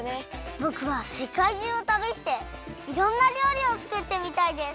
ぼくはせかいじゅうをたびしていろんなりょうりをつくってみたいです。